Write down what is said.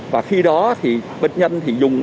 và khi đó thì bệnh nhân thì dùng